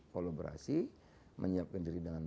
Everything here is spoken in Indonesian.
kolaborasi menyiapkan diri dengan